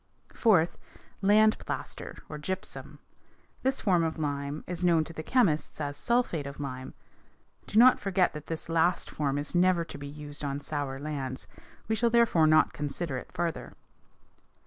Fourth, land plaster, or gypsum. This form of lime is known to the chemists as sulphate of lime. Do not forget that this last form is never to be used on sour lands. We shall therefore not consider it further.